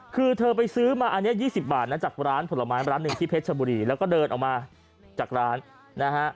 คือเธอไปซื้อมาอันนี้๒๐บาทนะจากร้านผลไม้ร้านหนึ่งที่เพชรชบุรีแล้วก็เดินออกมาจากร้านนะฮะ